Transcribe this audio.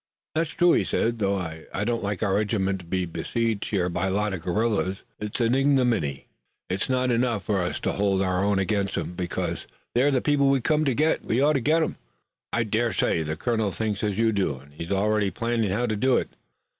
"That's true," he said, "though I don't like our regiment to be besieged here by a lot of guerrillas. It's an ignominy. It's not enough for us to hold our own against 'em, because they're the people we came to get, and we ought to get 'em." "I dare say the colonel thinks as you do and he's already planning how to do it.